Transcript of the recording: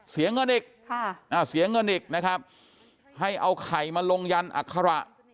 เสียเงินอีกเสียเงินอีกนะครับให้เอาไข่มาลงยันอัคระ